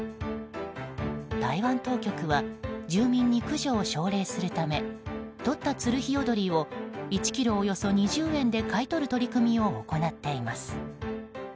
台湾当局は住民に駆除を奨励するためとったツルヒヨドリを１ｋｇおよそ２０円で買い取る取り組みを行っています。